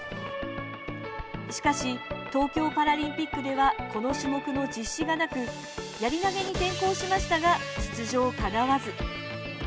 しかし、東京パラリンピックではこの種目の実施がなくやり投げに転向しましたが出場かなわず。